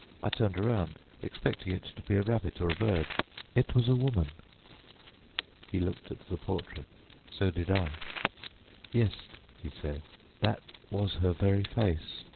I turned round, expecting it to be a rabbit or a bird. It was a woman." He looked at the portrait. So did I. "Yes," he said, "that was her very face.